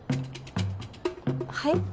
はい？